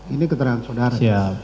ini keterangan saudara